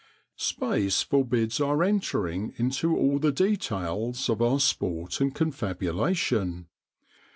Space forbids our entering into all the details of our sport and confabulation.